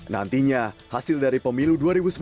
nantinya hasil dari pemilu dua ribu sembilan belas